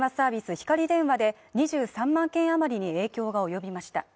ひかり電話で２３万軒あまりに影響が及びました。